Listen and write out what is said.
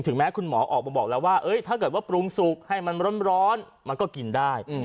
แม้คุณหมอออกมาบอกแล้วว่าถ้าเกิดว่าปรุงสุกให้มันร้อนมันก็กินได้